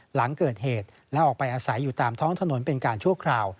หลังเกิดเหตุและออกไปอาศัยอยู่ตามท้องถนนเป็นการชั่วคราว